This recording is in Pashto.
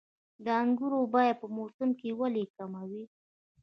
د انګورو بیه په موسم کې ولې کمه وي؟